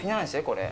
これ。